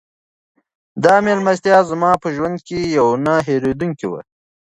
دا مېلمستیا زما په ژوند کې یوه نه هېرېدونکې وه.